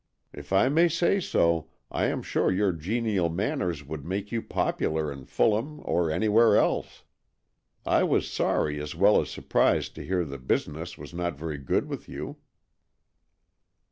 If I may say so, I am sure your genial manners would make you popular in Fulham or anywhere else. I was sorry as well as surprised to hear that business was not very good with you."